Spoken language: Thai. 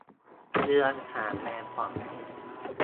เรือหางแมงป่อง